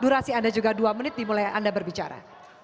masih ada juga dua menit dimulai anda berbicara